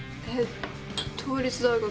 えっ？